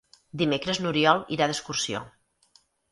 Dimecres n'Oriol irà d'excursió.